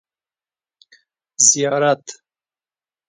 زيارت